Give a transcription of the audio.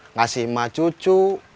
ngasih emak cucu